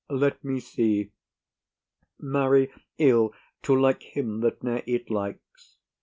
Let me see. Marry, ill, to like him that ne'er it likes.